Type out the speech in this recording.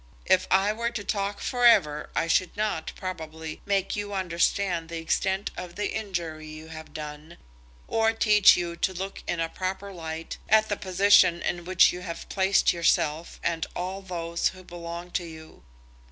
"If I were to talk for ever, I should not, probably, make you understand the extent of the injury you have done, or teach you to look in a proper light at the position in which you have placed yourself and all those who belong to you.